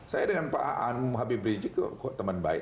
saya dengan pak habib rizik kok teman baik